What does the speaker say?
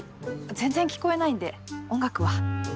全然聞こえないんで音楽は。